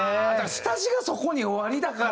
下地がそこにおありだから。